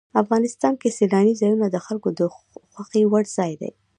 افغانستان کې سیلاني ځایونه د خلکو خوښې وړ ځای دی.